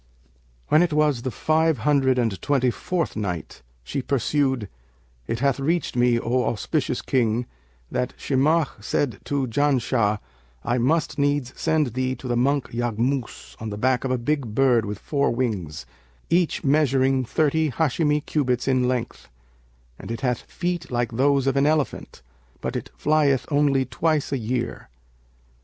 When it was the Five Hundred and Twenty fourth Night, She pursued, It hath reached me, O auspicious King, that "Shimakh said to Janshah, 'I must needs send thee to the monk Yaghmus on the back of a big bird with four wings, each measuring thirty Hαshimi[FN#562] cubits in length; and it hath feet like those of an elephant, but it flieth only twice a year.'